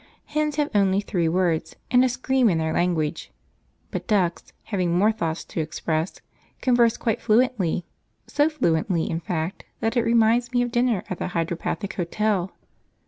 Hens have only three words and a scream in their language, but ducks, having more thoughts to express, converse quite fluently, so fluently, in fact, that it reminds me of dinner at the Hydropathic Hotel.